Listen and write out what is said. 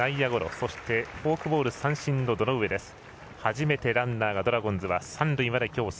そして、フォークボール三振の堂上です。